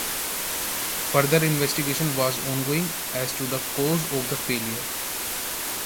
Further investigation was ongoing as to the cause of the failure.